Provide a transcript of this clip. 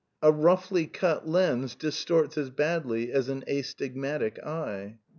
A roubly cut lens distorts as badly as an astigmatic eye.